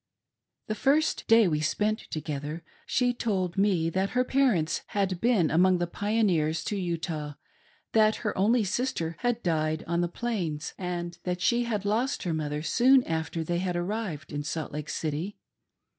The first day we spent together she told me that her parents had been among the pioneers to Utah, that her only sister had died on the Plains, and that she had lost her mother 66on after they had arrived in Salt Lake City.